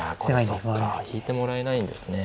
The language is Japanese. そうか引いてもらえないんですね。